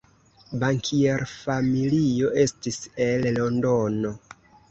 Bankierfamilio estis el Londono.